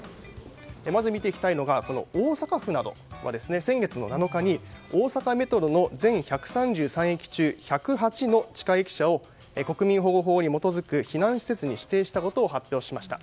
まず見ていきたいのが大阪府などは先月７日に大阪メトロの全１３３駅中の１０８の地下駅舎を国民保護法に基づく避難施設に指定したことを発表しました。